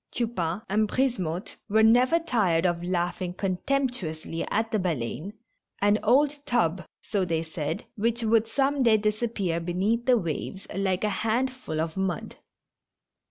Tupain and Brisemotte were never tired of laughing contemptuously at the Baleine^ an old tub, so they said, which would some day disap pear beneath the waves like a handful of mud.